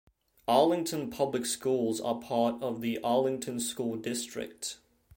Arlington Public Schools are part of the Arlington School District.